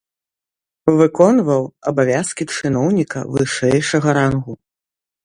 Выконваў абавязкі чыноўніка вышэйшага рангу.